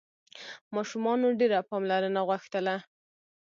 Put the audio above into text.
ماشومانو ډېره پاملرنه غوښتله.